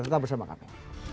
tetap bersama kami